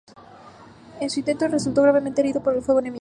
En su intentó resultó gravemente herido por el fuego enemigo.